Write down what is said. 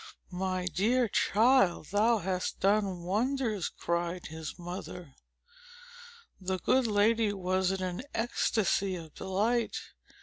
"My dear child, thou hast done wonders!" cried his mother. The good lady was in an ecstasy of delight.